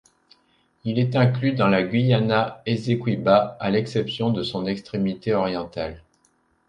Il est inclus dans la Guayana Esequiba à l'exception de son extrémité orientale.